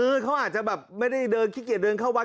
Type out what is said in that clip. คือเขาอาจจะแบบไม่ได้เดินขี้เกียจเดินเข้าวัด